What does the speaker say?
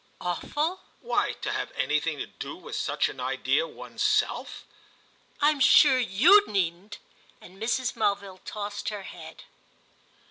"Awful?" "Why, to have anything to do with such an idea one's self." "I'm sure you needn't!" and Mrs. Mulville tossed her head.